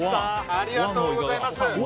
ありがとうございます！